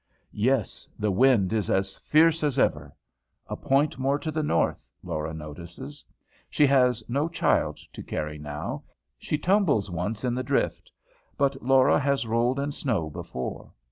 Yes, the wind is as fierce as ever! A point more to the north, Laura notices. She has no child to carry now. She tumbles once in the drift. But Laura has rolled in snow before.